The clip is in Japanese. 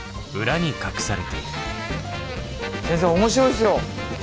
先生面白いっすよ。